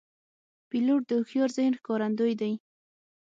پیلوټ د هوښیار ذهن ښکارندوی دی.